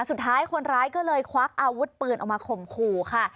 สุดท้ายคนร้ายก็เลยควักอาวุธปืนออกมาข่มขู่ค่ะ